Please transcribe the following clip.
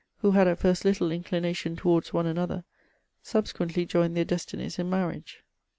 285 who had at first little inclination towards one another, subsequently join their destinies in marriage.